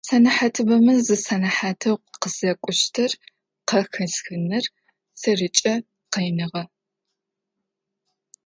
Сэнэхьатыбэмэ зы сэнэхьатэу къысэкӏущтыр къахэсхыныр сэркӏэ къиныгъэ.